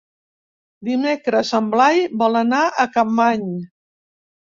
Dimecres en Blai vol anar a Capmany.